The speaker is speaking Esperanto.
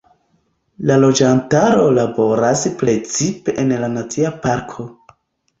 La loĝantaro laboras precipe en la nacia parko.